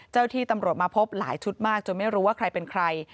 ที่ตำรวจมาพบหลายชุดมากจนไม่รู้ว่าใครเป็นใคร